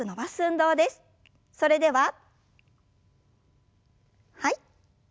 それでははい。